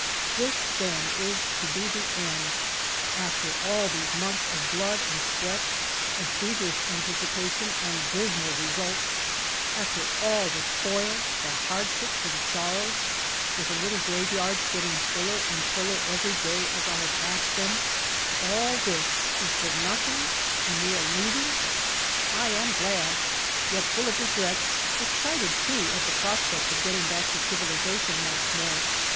This, then, is to be the end ! After all these months of blood and sweat, of feverish anticipation and dismal results; after all the toil, the hardships, and sorrows, with the little grave yards getting fuller and fuller every day as I have passed them all this is for nothing, and we are leaving. I am glad, yet full of regrets excited, too, at the prospect of getting back to civilization once more.